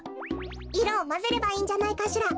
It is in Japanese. いろをまぜればいいんじゃないかしら。